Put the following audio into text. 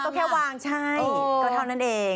ก็แค่วางใช่ก็เท่านั้นเอง